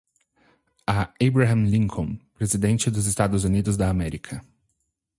A Abraham Lincoln, Presidente dos Estados Unidos da América